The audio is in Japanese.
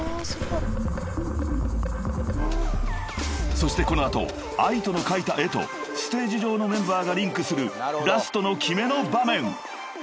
［そしてこの後ＡＩＴＯの描いた絵とステージ上のメンバーがリンクするラストの決めの場面］